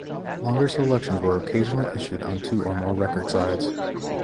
Longer selections were occasionally issued on two or more record sides.